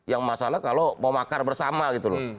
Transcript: yang masalah kalau mau makar bersama gitu loh